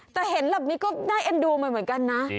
แต่เห็นแบบนี้ก็น่าเอ็นดูเหมือนกันนะ